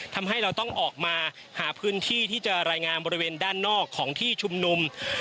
ทำให้เราต้องออกมาหาพื้นที่ที่จะรายงานบริเวณด้านนอกของที่ชุมนุม